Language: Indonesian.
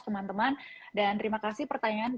teman teman dan terima kasih pertanyaan